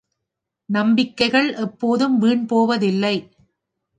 நம்பிக்கைகள் எப்போதும் வீண் போவதில்லை.